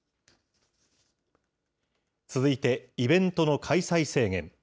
続いてイベントの開催制限。